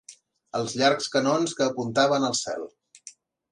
Els llargs canons que apuntaven al cel